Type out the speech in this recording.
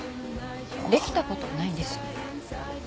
できたことないんです。